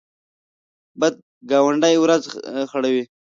بد ګاونډی ورځ خړوي